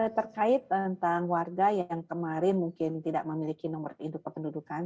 terkait tentang warga yang kemarin mungkin tidak memiliki nomor induk kependudukan